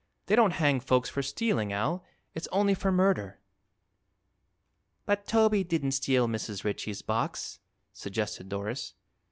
"They don't hang folks for stealing, Al; it's only for murder." "But Toby didn't steal Mrs. Ritchie's box," suggested Doris.